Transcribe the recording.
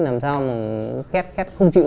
em mua bốn triệu